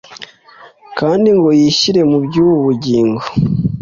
kandi ngo yishyire mu by’ubu bugingo,